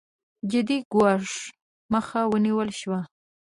جدي ګواښ مخه ونېول شي.